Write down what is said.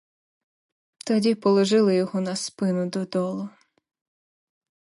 Тоді положили його на спину додолу.